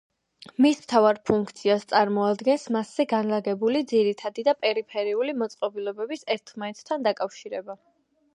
მის მთავარ ფუნქციას წარმოადგენს მასზე განლაგებული ძირითადი და პერიფერიული მოწყობილობების ერთმანეთთან დაკავშირება.